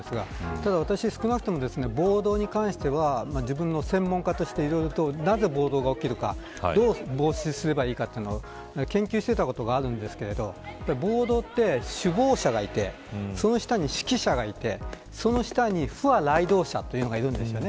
ただ私は少なくとも暴動に関しては専門家として、いろいろなぜ、暴動が起きるかどう防止すればいいか研究したことがありますが暴動って首謀者がいてその下に指揮者がいて、その下に付和雷同者がいるんです。